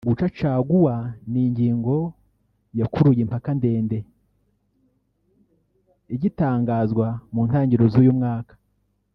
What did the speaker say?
Guca caguwa ni ingingo yakuruye impaka ndende igitangazwa mu ntangiriro z’uyu mwaka